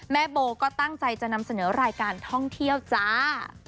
โบก็ตั้งใจจะนำเสนอรายการท่องเที่ยวจ้า